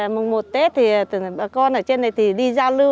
mùng một tết thì bà con ở trên này thì đi giao lưu